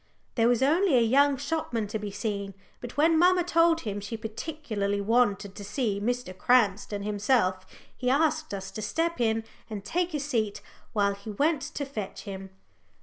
There was only a young shopman to be seen, but when mamma told him she particularly wanted to see Mr. Cranston himself, he asked us to step in and take a seat while he went to fetch him.